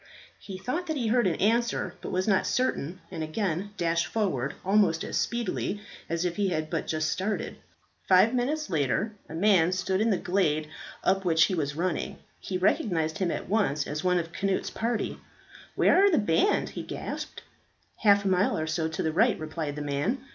He thought that he heard an answer, but was not certain, and again dashed forward, almost as speedily as if he had but just started. Five minutes later a man stood in the glade up which he was running. He recognized him at once as one of Cnut's party. "Where are the band?" he gasped. "Half a mile or so to the right," replied the man.